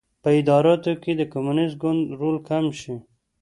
په اداراتو کې د کمونېست ګوند رول کم شي.